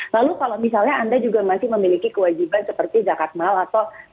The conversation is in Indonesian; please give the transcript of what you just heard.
lalu kalau misalnya anda juga masih memiliki kewajiban seperti zakat mal atau